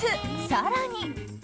更に。